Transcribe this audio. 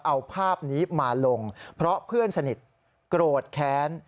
เอาภาพนี้มาลงเพราะเพื่อนสนิทโกรธแค้น